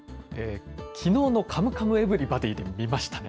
きのうのカムカムエブリバディで見ましたね。